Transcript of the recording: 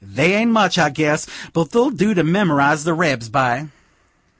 They aint much, I guess, but they'll do to memorize the rebs by."